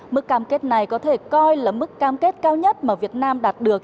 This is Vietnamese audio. mức cam kết này có thể coi là mức cam kết cao nhất mà việt nam đạt được